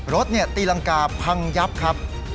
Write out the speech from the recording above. รถตีรังกาพังยับครับ